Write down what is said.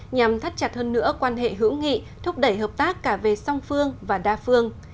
nhằm thắt chặt hơn nữa quan hệ hữu nghị thúc đẩy hợp tác cả về song phương và đa phương